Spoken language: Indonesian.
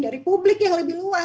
dari publik yang lebih luas